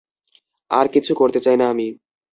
আর কিছু করতে চাই না আমি।